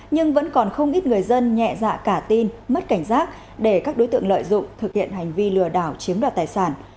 nhưng vẫn còn không ít người dân nhẹ dạ cả tin mất cảnh giác để các đối tượng lợi dụng thực hiện hành vi lừa đảo chiếm đoạt tài sản